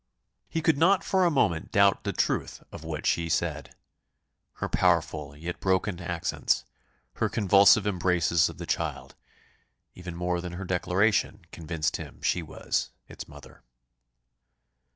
He could not for a moment doubt the truth of what she said; her powerful yet broken accents, her convulsive embraces of the child, even more than her declaration, convinced him she was its mother.